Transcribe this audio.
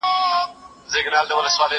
زه به اوږده موده تکړښت کړی وم؟!